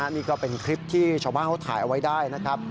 นี่ก็เป็นคลิปที่ชาวบ้านเขาถ่ายเอาไว้ได้นะครับ